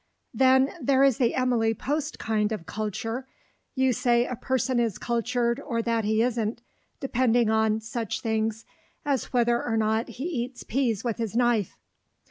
Then there is the Emily Post kind of "culture" you say a person is "cultured," or that he isn't, depending on such things as whether or not he eats peas with his knife.